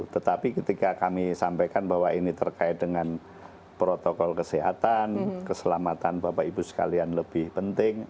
tetapi ketika kami sampaikan bahwa ini terkait dengan protokol kesehatan keselamatan bapak ibu sekalian lebih penting